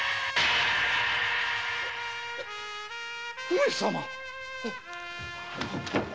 上様！